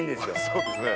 そうですね